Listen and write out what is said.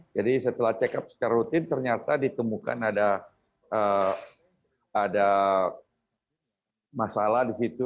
jadi setelah check up secara rutin ternyata ditemukan ada masalah di situ